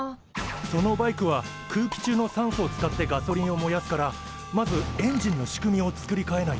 そのバイクは空気中の酸素を使ってガソリンを燃やすからまずエンジンの仕組みを作りかえないと。